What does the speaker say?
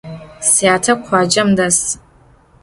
Syate khuacem des.